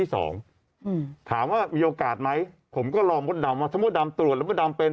สองอืมถามว่ามีโอกาสไหมผมก็รอมดดำว่าถ้ามดดำตรวจแล้วมดดำเป็น